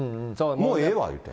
もうええわって。